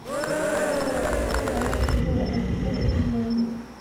Actualmente es entrenador asistente de la franquicia de Illinois.